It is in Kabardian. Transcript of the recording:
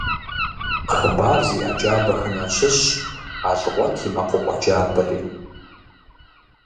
Хъыбар зиӏэ джабэхэм ящыщщ «Алгъуэт и мэкъупӏэ джабэри».